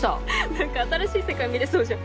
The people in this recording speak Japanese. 何か新しい世界見れそうじゃん。